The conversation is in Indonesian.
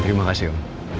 terima kasih om